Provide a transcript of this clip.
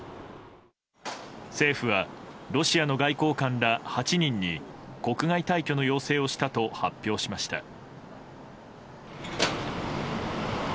政府はロシアの外交官ら８人に国外退去の要請をしたと発表しました。